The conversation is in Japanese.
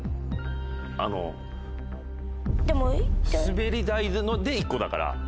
すべり台で１個だから。